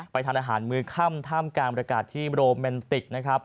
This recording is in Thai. ทานอาหารมื้อค่ำท่ามกลางบรรยากาศที่โรแมนติกนะครับ